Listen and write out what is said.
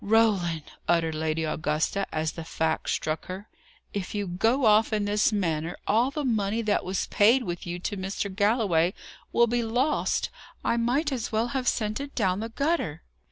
"Roland!" uttered Lady Augusta, as the fact struck her, "if you go off in this manner, all the money that was paid with you to Mr. Galloway will be lost! I might as well have sent it down the gutter."